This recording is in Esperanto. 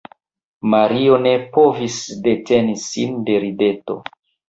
Mario ne povis deteni sin de rideto.